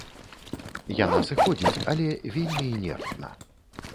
Яна сыходзіць, але вельмі інертна.